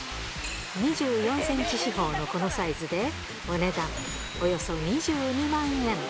２４センチ四方のこのサイズで、お値段、およそ２２万円。